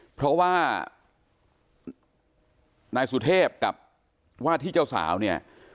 เพราะว่านายสุเทพกับว่าที่เจ้าสาวเนี่ย